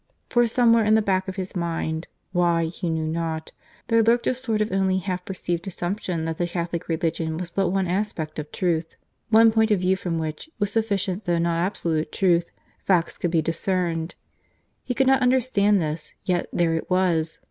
For somewhere in the back of his mind (why, he knew not) there lurked a sort of only half perceived assumption that the Catholic religion was but one aspect of truth one point of view from which, with sufficient though not absolute truth, facts could be discerned. He could not understand this; yet there it was.